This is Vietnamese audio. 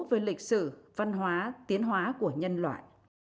với lịch sử văn hóa tiến hóa của nhân loại